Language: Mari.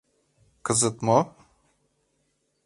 Кызыт мо?..